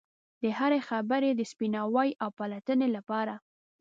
د هرې خبرې د سپیناوي او پلټنې لپاره.